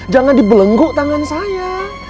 jangan dibelengguk tangan saya